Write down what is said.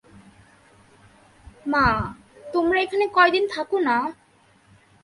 মা, তোমরা এখানে কয়েকদিন থাকো না?